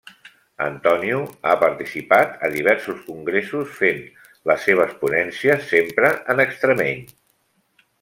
Antonio ha participat a diversos congressos fent les seves ponències sempre en extremeny.